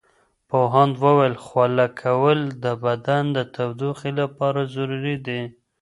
پوهاند وویل خوله کول د بدن د تودوخې لپاره ضروري دي.